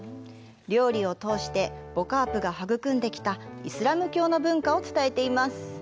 料理を通してボ・カープが育んできたイスラム教の文化を伝えています。